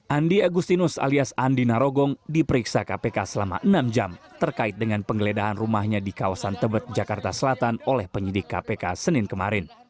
andi agustinus alias andi narogong diperiksa kpk selama enam jam terkait dengan penggeledahan rumahnya di kawasan tebet jakarta selatan oleh penyidik kpk senin kemarin